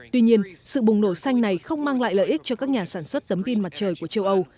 tuy nhiên sự bùng nổ xanh này không mang lại lợi ích cho các nhà sản xuất tấm pin mặt trời của châu âu